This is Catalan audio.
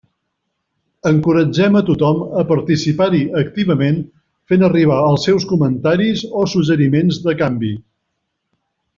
Encoratgem a tothom a participar-hi activament fent arribar els seus comentaris o suggeriments de canvis.